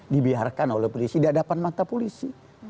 dibiarkan oleh polisi di hadapan mata polisi